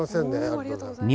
ありがとうございます。